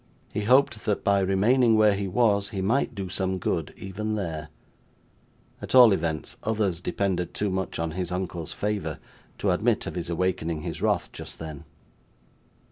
He hoped that by remaining where he was, he might do some good, even there; at all events, others depended too much on his uncle's favour, to admit of his awakening his wrath just then.